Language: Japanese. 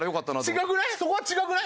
違くない？